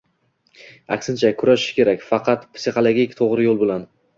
Aksincha, kurashish kerak, faqat psixologik to‘g‘ri yo‘l bilan!